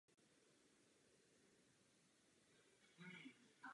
Brzy začaly stavební práce.